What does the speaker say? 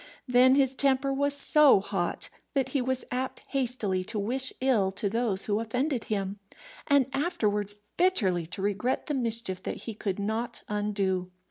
Then his temper was so hot, that he was apt hastily to wish ill to those who offended him, and afterwards bitterly to regret the mischief that he could not undo.